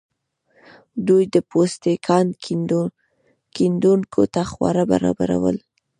دوی د پوتسي کان کیندونکو ته خواړه برابرول.